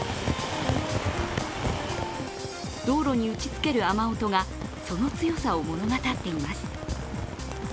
道路に打ちつける雨音がその強さを物語っています。